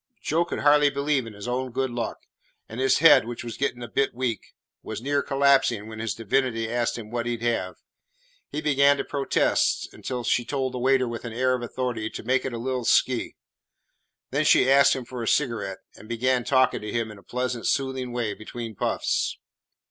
Joe could hardly believe in his own good luck, and his head, which was getting a bit weak, was near collapsing when his divinity asked him what he 'd have? He began to protest, until she told the waiter with an air of authority to make it a little "'skey." Then she asked him for a cigarette, and began talking to him in a pleasant, soothing way between puffs.